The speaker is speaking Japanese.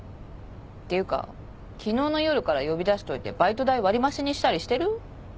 っていうか昨日の夜から呼び出しといてバイト代割り増しにしたりしてる？